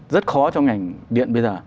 rất khó trong ngành điện bây giờ